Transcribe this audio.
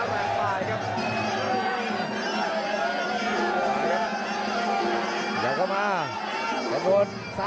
เนิจะเดินไปขวานปลายครับ